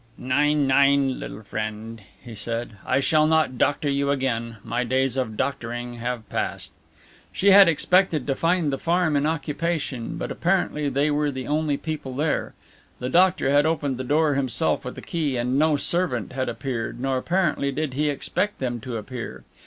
"Nein, nein, little friend," he said, "I shall not doctor you again. My days of doctoring have passed." She had expected to find the farm in occupation, but apparently they were the only people there. The doctor had opened the door himself with a key, and no servant had appeared, nor apparently did he expect them to appear.